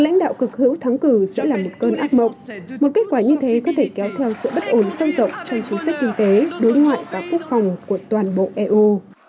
lãnh đạo cực hữu thắng cử sẽ là một cơn ác mộng một kết quả như thế có thể kéo theo sự bất ổn sâu rộng trong chính sách kinh tế đối ngoại và quốc phòng của toàn bộ eu